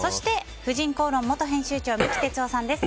そして、「婦人公論」元編集長三木哲男さんです。